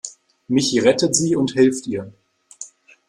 Michi rettet sie und hilft ihr.